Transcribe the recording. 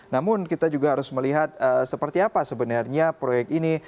namun kita juga harus melihat seperti apa sebenarnya proyek ini